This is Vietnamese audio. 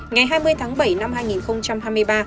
ngày hai mươi tháng bảy năm hai nghìn hai mươi ba